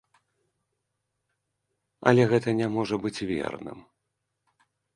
Але гэта не можа быць верным.